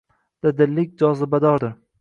Dadillik jozibadordir.